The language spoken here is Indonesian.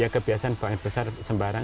ya kebiasaan buang air besar sembarang